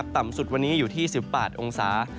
ต่ำสุดวันนี้อยู่ที่๑๘องศา